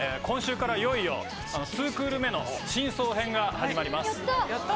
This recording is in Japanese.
今週からいよいよ２クール目の「真相編」が始まります。